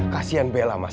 kasian bella mas